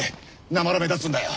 なまら目立つんだよ